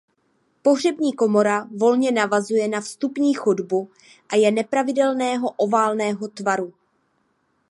Pohřební komora volně navazuje na vstupní chodbu a je nepravidelného oválného tvaru.